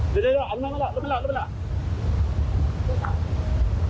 เร็วเร็วเร็วรถไปหลับรถไปหลับรถไปหลับ